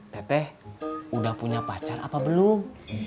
teteh udah punya pacar apa belum